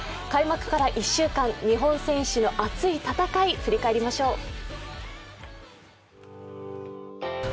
開幕から１週間、日本選手の熱い戦い、振り返りましょう。